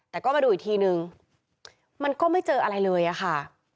แต่ก็มาดูอีกทีนึงมันก็ไม่เจออะไรเลยอะค่ะ